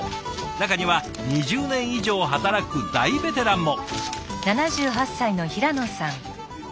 中には２０年以上働く大ベテランも。